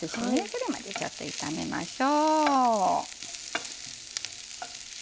それまでちょっと炒めましょう。